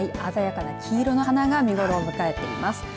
鮮やかな黄色の花が見頃を迎えています。